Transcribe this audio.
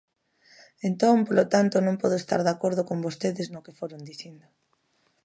Entón, polo tanto, non podo estar de acordo con vostedes no que foron dicindo.